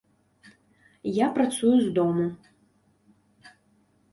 Я працую з дому.